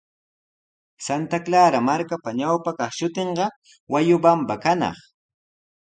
Santa Clara markapa ñawpa kaq shutinshi Huayobamba kanaq.